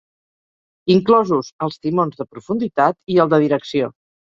Inclosos els timons de profunditat i el de direcció.